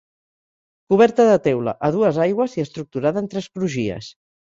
Coberta de teula a dues aigües i estructurada en tres crugies.